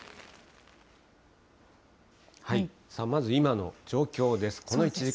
まず、今の状況です。